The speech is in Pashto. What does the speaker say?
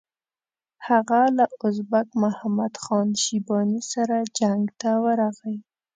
هغه له ازبک محمد خان شیباني سره جنګ ته ورغی.